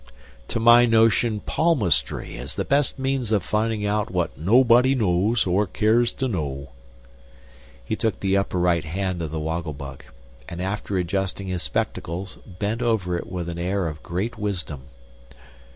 "To my notion palmistry is the best means of finding out what nobody knows or cares to know." He took the upper right hand of the Woggle Bug, and after adjusting his spectacles bent over it with an air of great wisdom.